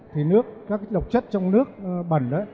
thì các cái độc chất trong nước bẩn đó